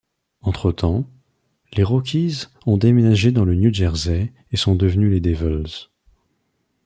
Entre-temps, les Rockies ont déménagé dans le New Jersey et sont devenus les Devils.